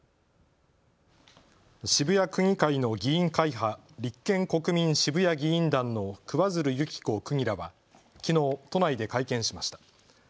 渋谷区議会の議員会派、立憲・国民渋谷議員団の桑水流弓紀子区議らはきのう都内で会見しました。